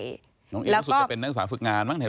แล้วก็น้องอี๋น้องสุดจะเป็นนักศึกษาฝึกงานบ้างไหม